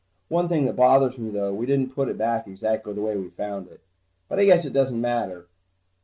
One thing that bothers me though, we didn't put it back exactly the way we found it. But I guess it doesn't matter.